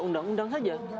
tidak tidak tidak